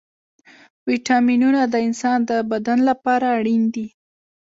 ويټامينونه د انسان د بدن لپاره اړين دي.